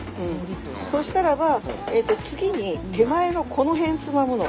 そしたらば次に手前のこの辺つまむの。